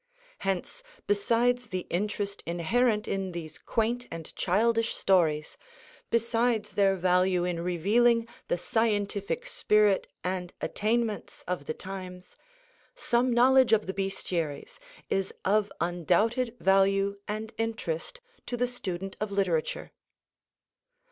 Hence, besides the interest inherent in these quaint and childish stories, besides their value in revealing the scientific spirit and attainments of the times, some knowledge of the Bestiaries is of undoubted value and interest to the student of literature.